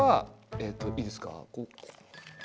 えっといいですか？